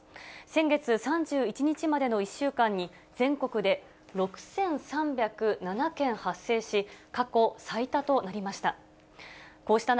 先月３１日までの１週間に、全国で６３０７件発生し、過去最多となりました。